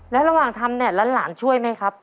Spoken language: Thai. แล้วระหว่างทำเนี่ยหลานช่วยไหมครับ